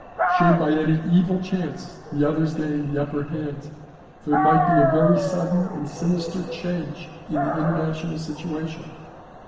Should by any evil chance the others gain the upper hand there might be a very sudden and sinister change in the international situation.